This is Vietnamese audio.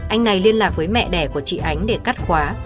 anh này liên lạc với mẹ đẻ của chị ánh để cắt khóa